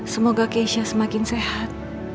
semoga keisha semakin sehat